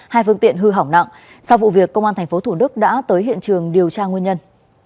hai phương tiện hư hỏng nặng sau vụ việc công an tp thủ đức đã tới hiện trường điều tra nguyên nhân